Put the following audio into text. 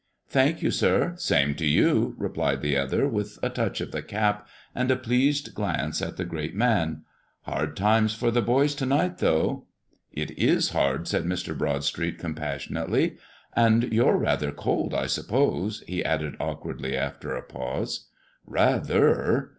"Thank you, sir; same to you," replied the other, with a touch of the cap and a pleased glance at the great man. "Hard times for the boys to night, though." "It is hard," said Mr. Broadstreet compassionately. "And you're rather cold, I suppose?" he added awkwardly, after a pause. "Rather!"